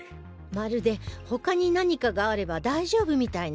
まるで他に何かがあれば大丈夫みたいな言い方ですね。